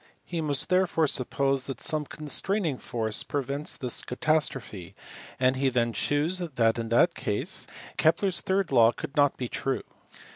He must therefore suppose that some constraining force prevents this catastrophe, and he then shews that in that case Kepler s third law could not be true.